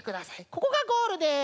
ここがゴールです。